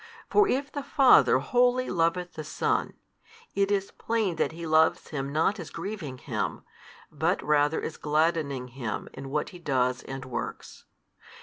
For if the Father wholly loveth the Son, it is plain that He loves Him not as grieving Him, but rather as gladdening Him in what He does and works.